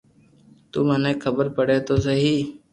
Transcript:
تو مني خبر پڙي تو سھي